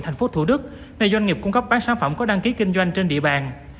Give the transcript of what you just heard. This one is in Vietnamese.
thành phố thủ đức nơi doanh nghiệp cung cấp bán sản phẩm có đăng ký kinh doanh trên địa bàn